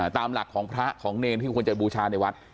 ตามหลักของพระของเนรที่ควรจะบูชาในวัด